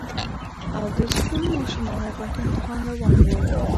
او د سکول ماشومانو غټ امتحان روان وو